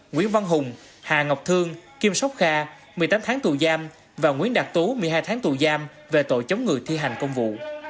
nguyễn văn hùng hà ngọc thương kim sóc kha một mươi tám tháng tù giam và nguyễn đạt tú một mươi hai tháng tù giam về tội chống người thi hành công vụ